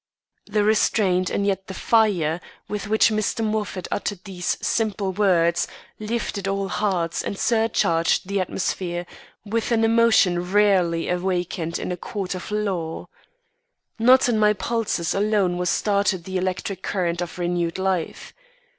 The restraint and yet the fire with which Mr. Moffat uttered these simple words, lifted all hearts and surcharged the atmosphere with an emotion rarely awakened in a court of law. Not in my pulses alone was started the electric current of renewed life.